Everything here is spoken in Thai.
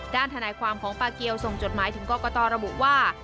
ด้านฐานะความของปาเกียวส่งจดหมายถึงก็กระต่อระบุว่า